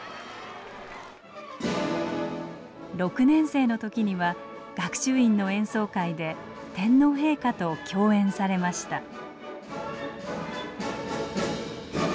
６年生の時には学習院の演奏会で天皇陛下と共演されました。